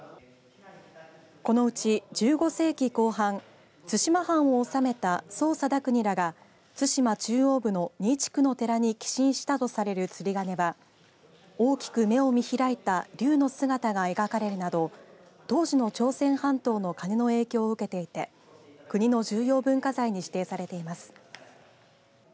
このうち１５世紀後半対馬藩を治めた宗貞国らが対馬中央部の仁位地区の寺に寄進したとされる釣り鐘は大きく目を見開いた竜の姿が描かれるなど当時の朝鮮半島の鐘の影響を受けていて国の重要文化財に指定されています。